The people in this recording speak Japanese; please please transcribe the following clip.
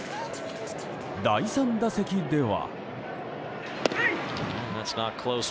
第３打席では。